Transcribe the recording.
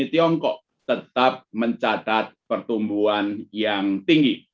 tiongkok tetap mencatat pertumbuhan yang tinggi